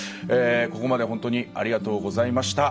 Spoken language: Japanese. ここまで本当にありがとうございました。